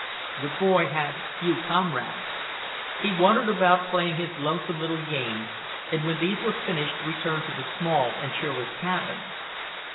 The boy had few comrades. He wandered about playing his lonesome little games, and when these were finished returned to the small and cheerless cabin.